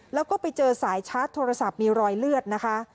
แล้วก็ไปเจอสายชาร์จโทรศัพท์มีรอยเลือดนะคะ